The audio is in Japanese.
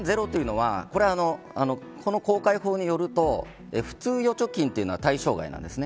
これは公開法によると普通預貯金は対象外なんですね。